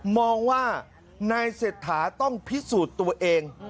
มองว่านายเศรษฐาต้องพิสูจน์ตัวเอง